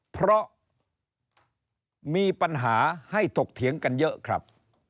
เพราะมีปัญหาให้ถกเถียงกันเยอะครับ